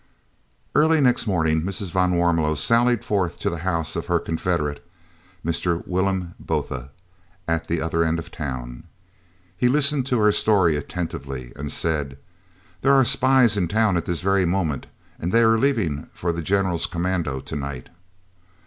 Early next morning Mrs. van Warmelo sallied forth to the house of her confederate, Mr. Willem Botha, at the other end of the town. He listened to her story attentively and said, "There are spies in town at this very moment, and they are leaving for the General's commando to night."